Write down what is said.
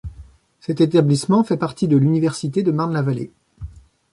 Cet établissement fait partie de l'université de Marne-la-Vallée.